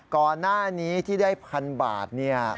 ก่อนหน้านี้ที่ได้๑๐๐๐บาท